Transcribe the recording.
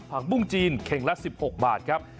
ปุ้งจีนเข่งละ๑๖บาทครับ